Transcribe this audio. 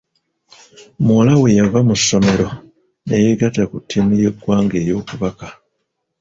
Muwala we yava mu ssomero ne yeegatta ku ttiimu y'eggwanga ey'okubaka.